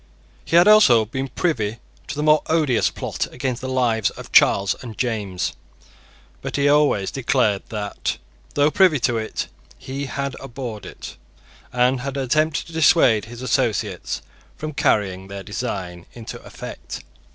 He had also been privy to the more odious plot against the lives of Charles and James. But he always declared that, though privy to it, he had abhorred it, and had attempted to dissuade his associates from carrying their design into effect.